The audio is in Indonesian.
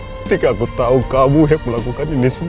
ketika aku tahu kamu melakukan ini semua